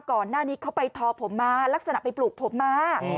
ก่อนหน้านี้เขาไปทอผมมาลักษณะไปปลูกผมมา